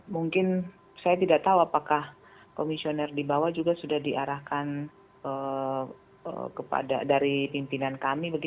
mungkin saya tidak tahu apakah komisioner di bawah juga sudah diarahkan dari pimpinan kami